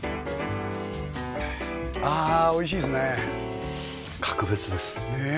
あおいしいですね格別ですねえ